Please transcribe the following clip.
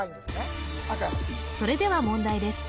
それでは問題です